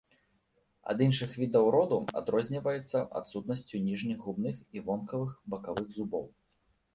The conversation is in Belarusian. Ад іншых відаў роду адрозніваецца адсутнасцю ніжніх губных і вонкавых бакавых зубоў.